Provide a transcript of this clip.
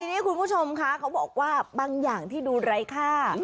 ทีนี้คุณผู้ชมคะเขาบอกว่าบางอย่างที่ดูไร้ค่า